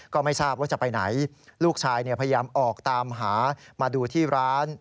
ก็ไม่ทราบว่าจะไปไหนลูกชายพยายามออกตามหามาดูที่ร้าน